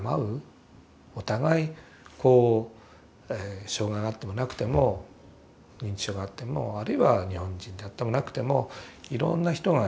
お互いこう障害があってもなくても認知症があってもあるいは日本人であってもなくてもいろんな人が